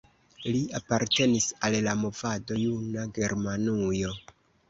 Li apartenis al la movado Juna Germanujo.